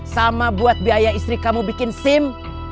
sama buat biaya istri kamu bikin sim